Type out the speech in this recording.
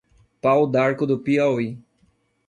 Pau d'Arco do Piauí